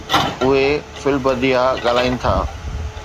اهي في البديه ڳالهائين ٿا.